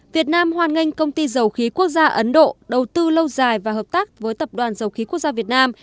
việt nam hoan nghênh công ty dầu khí quốc gia ấn độ đầu tư lâu dài và hợp tác với tập đoàn dầu khí quốc gia việt nam